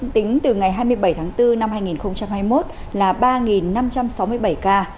tính từ ngày hai mươi bảy tháng bốn năm hai nghìn hai mươi một là ba năm trăm sáu mươi bảy ca